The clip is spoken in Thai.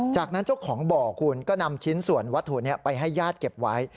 จากนั้นเจ้าของบ่อคุณก็นำชิ้นส่วนวัตถุนี้ไปให้ญาติเก็บไว้